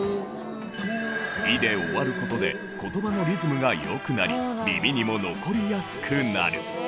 「い」で終わる事で言葉のリズムが良くなり耳にも残りやすくなる。